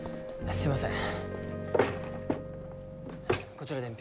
すいません。